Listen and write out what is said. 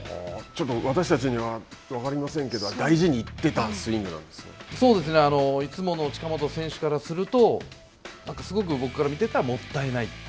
ちょっと私たちには分かりませんでしたけど、大事にいってたスそうですね、いつもの近本選手からするとすごく僕から見てたら、もったいない。